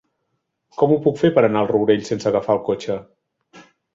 Com ho puc fer per anar al Rourell sense agafar el cotxe?